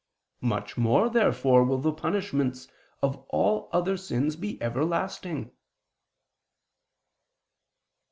Much more, therefore, will the punishments of all other sins be everlasting.